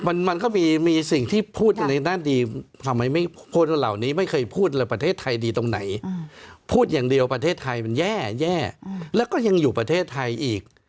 มันมันก็มีมีสิ่งที่พูดในด้านดีทำไมไม่พูดว่าเหล่านี้ไม่เคยพูดเลยประเทศไทยดีตรงไหนพูดอย่างเดียวประเทศไทยมันแย่แย่แล้วก็ยังอยู่ประเทศไทยอีก